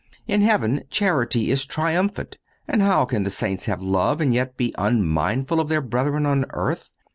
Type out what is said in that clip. In heaven, charity is triumphant. And how can the saints have love, and yet be unmindful of their brethren on earth?